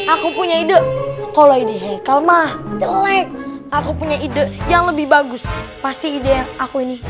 aku punya ide kalau ini heikal mah jelek aku punya ide yang lebih bagus pasti ide aku ini